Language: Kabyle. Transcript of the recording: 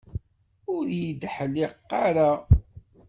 Ur yi-d-teḥliq ara.